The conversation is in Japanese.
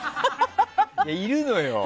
いるのよ。